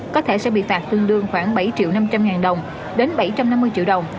có thể sẽ bị phạt tương đương khoảng bảy triệu năm trăm linh ngàn đồng đến bảy trăm năm mươi triệu đồng